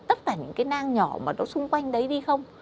tất cả những cái nang nhỏ mà nó xung quanh đấy đi không